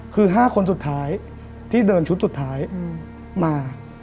คือ๕คนสุดท้ายที่เดินชุดสุดท้ายมา